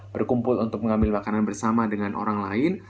berkumpul untuk mengambil makanan bersama dengan orang lain